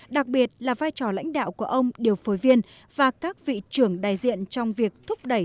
đặc biệt là vai trò lãnh đạo của ông điều phối viên và các vị trưởng đại diện trong việc thúc đẩy